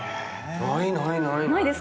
ないないないない。